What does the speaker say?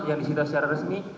yang disita secara resmi